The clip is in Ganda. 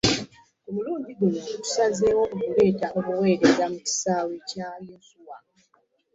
Ku mulundi guno, tusazeewo okuleeta obuweereza mu kisaaawe Kya yinsuwa